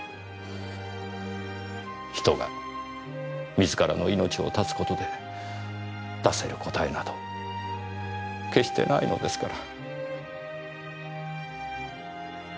人が自らの命を絶つ事で出せる答えなど決してないのですから。